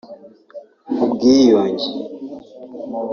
ubwiyunge